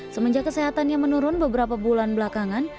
semenjak kesehatannya menurun beberapa bulan belakangan